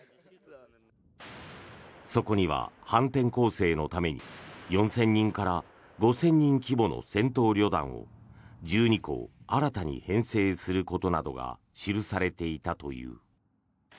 そこには、反転攻勢のために４０００人から５０００人規模の戦闘旅団を１２個新たに編成することなどが記されていたという。